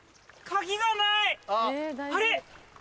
あれ？